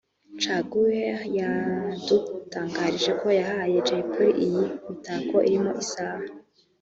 Caguwa yadutangarije ko yahaye Jay Polly iyi mitako irimo isaha